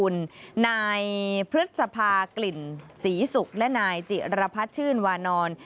นายพฤษภากลิ่นศรีศุกร์และนายจิรพัฒน์ชื่นวานอน